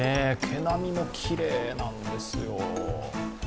毛並みもきれいなんですよ。